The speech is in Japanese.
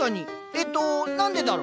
えっと何でだろ？